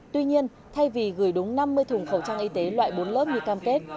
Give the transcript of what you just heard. tuy nhiên thay vì gửi đúng năm mươi thùng khẩu trang y tế loại bốn lớp như cam kết